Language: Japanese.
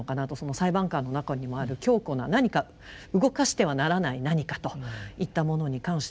裁判官の中にもある強固な何か動かしてはならない何かといったものに関してですね